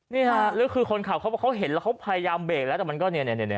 นี่ค่ะแล้วคือคนขับเขาเห็นแล้วเขาพยายามเบรกแล้วแต่มันก็เนี่ย